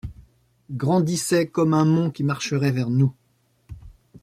Grandissait, comme un mont qui marcherait vers nous.